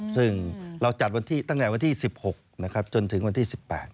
ซึ่งเราจัดตั้งแต่วันที่๑๖จนถึงวันที่๑๘